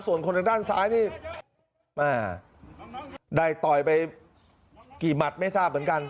ส่วนคนทางด้านซ้ายนี่แม่ได้ต่อยไปกี่หมัดไม่ทราบเหมือนกัน